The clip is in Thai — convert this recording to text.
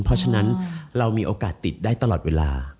เพราะฉะนั้นเรามีโอกาสติดได้ตลอดเวลา